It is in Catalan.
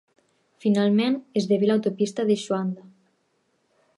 Finalment, esdevé l'autopista de Xuanda.